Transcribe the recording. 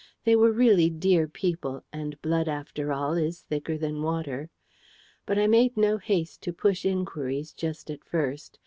They were really dear people; and blood, after all, is thicker than water. But I made no haste to push inquiries just at first.